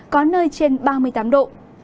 có nơi trên ba mươi tám độ